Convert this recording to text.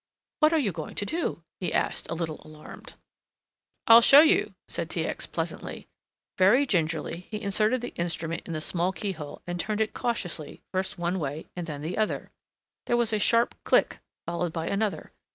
"What are you going to do?" he asked, a little alarmed. "I'll show you," said T. X. pleasantly. Very gingerly he inserted the instrument in the small keyhole and turned it cautiously first one way and then the other. There was a sharp click followed by another.